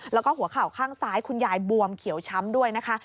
แล้วก็หัวเข่าข้างซ้ายคุณยายบวมเขียวช้ำด้วยนะคะ